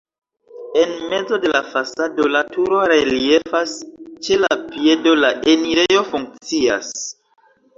En mezo de la fasado la turo reliefas, ĉe la piedo la enirejo funkcias.